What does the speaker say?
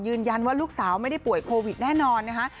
ยืนยันว่าลูกสาวไม่ได้ป่วยโควิดแน่นอนนะคะ